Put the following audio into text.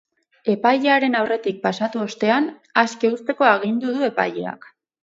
Epailearen aurretik pasatu ostean, aske uzteko agindu du epaileak.